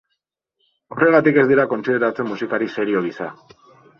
Horregatik ez dira kontsideratzen musikari serio gisa.